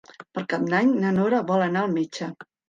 Per Cap d'Any na Nora vol anar al metge.